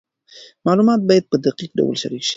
معلومات باید په دقیق ډول شریک سي.